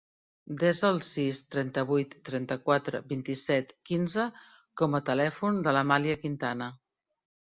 Desa el sis, trenta-vuit, trenta-quatre, vint-i-set, quinze com a telèfon de l'Amàlia Quintana.